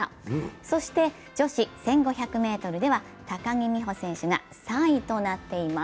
そして女子１５００ｍでは高木美帆選手が３位となっています。